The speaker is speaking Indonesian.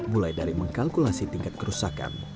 mulai dari mengkalkulasi tingkat kerusakan